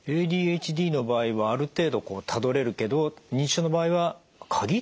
ＡＤＨＤの場合はある程度たどれるけど認知症の場合は「鍵？